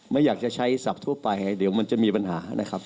ไม่อยากจะใช้ศัพท์ทั่วไปเดี๋ยวมันจะมีปัญหานะครับ